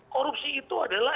korupsi itu adalah